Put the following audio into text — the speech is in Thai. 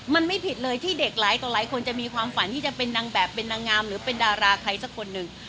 มันไม่ผิดเลยที่เด็กหลายต่อหลายคนจะมีความฝันที่จะเป็นนางแบบเป็นนางงามหรือเป็นดาราใครสักคนหนึ่ง